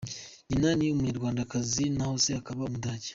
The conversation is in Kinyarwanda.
Nyina ni Umunyarwandakazi naho se akaba Umudage.